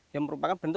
yang merupakan bentuk